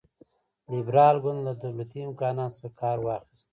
لېبرال ګوند له دولتي امکاناتو څخه کار واخیست.